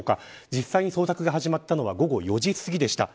実際に捜索が始まったのは午後４時すぎでした。